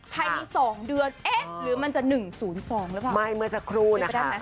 ใครมีสองเดือนเอ๊ะหรือมันจะหนึ่งศูนย์สองหรือเปล่าไม่เมื่อสักครู่นะคะ